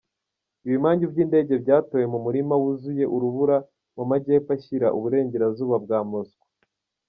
Ibimanyu by’indege byatowe mu murima wuzuye urubura mu majyepfo ashyira uburengerazuba bwa Moscou.